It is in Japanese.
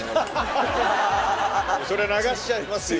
そりゃ流しちゃいますよ。